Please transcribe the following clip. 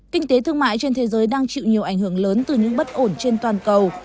kinh tế thương mại trên thế giới đang chịu nhiều ảnh hưởng lớn từ những bất ổn trên toàn cầu